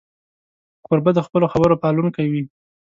کوربه د خپلو خبرو پالونکی وي.